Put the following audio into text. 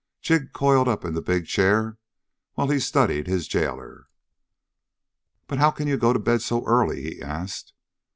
Jig coiled up in a big chair, while he studied his jailer. "But how can you go to bed so early?" he asked.